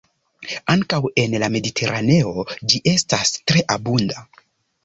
Ankaŭ en la Mediteraneo ĝi estas tre abunda.